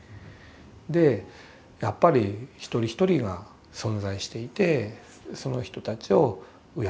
でやっぱり一人一人が存在していてその人たちを敬う。